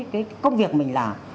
cái công việc mình làm